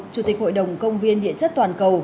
chủ tịch hội đồng công viên địa chất toàn cầu